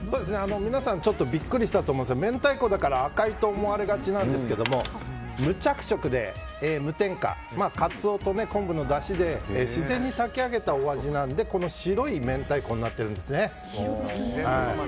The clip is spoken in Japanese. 皆さんビックリしたと思うんですが明太子だから赤いと思われがちなんですけども無着色で無添加カツオと昆布のだしで自然に炊き上げたお味なので白い明太子になっているんですね。